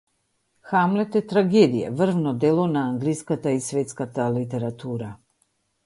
„Хамлет“ е трагедија, врвно дело на англиската и светската литература.